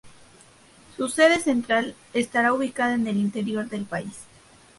Su sede central estará ubicada en el interior del país.